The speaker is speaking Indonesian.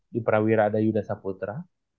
di prawira ada yuda saputra